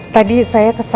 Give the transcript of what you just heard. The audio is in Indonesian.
tadi saya kesana